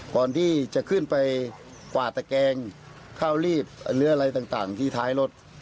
ก่อนที่จะขึ้นไปกวาดตะแกงข้าวรีบหรืออะไรต่างที่ท้ายรถ